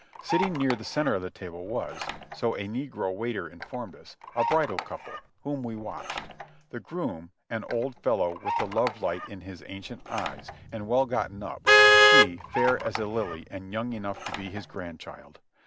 Sitting near the center of the table was (so a negro waiter informed us) a bridal couple, whom we watched ; the groom, an old fellow with the love light in his ancient eyes, and well gotten up, she fair as a lily and young enough to be his grandchild.